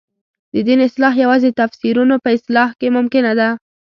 د دین اصلاح یوازې د تفسیرونو په اصلاح کې ممکنه ده.